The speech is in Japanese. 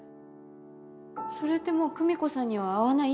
それってもう久美子さんには会わないってことですか？